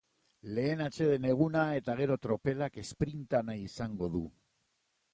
Lehen atseden eguna eta gero tropelak esprinta nahi izango du.